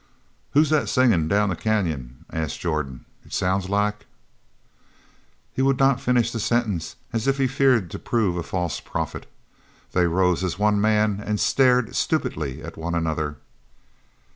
"Who's that singin' down the canyon?" asked Jordan. "It sounds like " He would not finish his sentence as if he feared to prove a false prophet. They rose as one man and stared stupidly at one another.